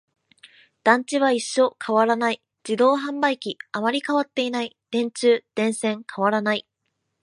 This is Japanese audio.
団地は一緒、変わらない。自動販売機、あまり変わっていない。電柱、電線、変わらない。